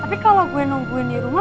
tapi kalau gue nungguin di rumah